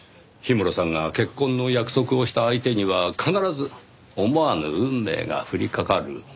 氷室さんが結婚の約束をした相手には必ず思わぬ運命が降りかかる。